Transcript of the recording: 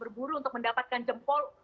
berburu untuk mendapatkan jempol